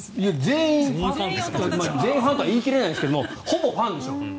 全員ファンとは言い切れないですがほぼファンでしょう。